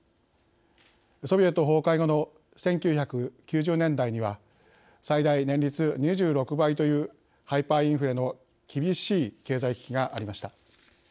ソビエト崩壊後の１９９０年代には最大年率２６倍というハイパーインフレの厳しい経済危機がありました。